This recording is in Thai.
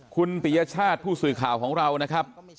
คุณปิยชาติผู้สื่อข่าวของเรานะครับ